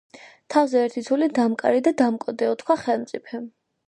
თავზე ერთი ცული დამკარი და დამკოდეო თქვა ხელმწიფემ